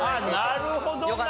なるほどな。